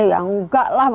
ya enggak lah